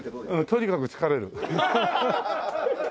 とにかく疲れる。